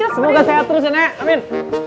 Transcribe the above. semoga sehat terus ya nak amin